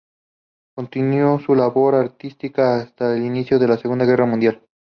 Continuó su labor artística hasta el inicio de la Segunda Guerra Mundial.